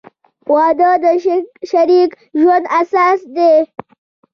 • واده د شریک ژوند اساس دی.